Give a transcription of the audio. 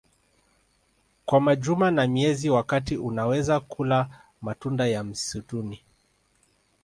kwa majuma na miezi wakati unaweza kula matunda ya msituni